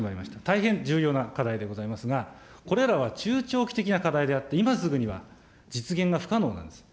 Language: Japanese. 大変重要な課題でございますが、これらは中長期的な課題であって今すぐには実現が不可能なんです。